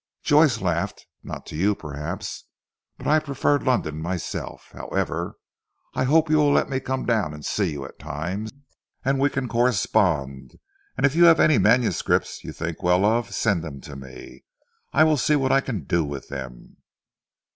Joyce laughed. "Not to you perhaps; but I prefer London myself. However, I hope you will let me come down and see you at times. And we can correspond. And if you have any manuscripts you think well of, send them to me. I will see what I can do with them."